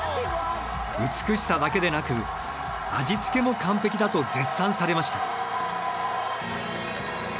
美しさだけでなく味付けも完璧だと絶賛されました。